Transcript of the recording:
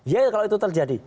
ya kalau itu terjadi